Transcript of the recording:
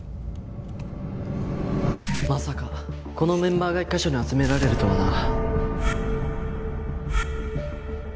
まさかこのメンバーが１カ所に集められるとはな。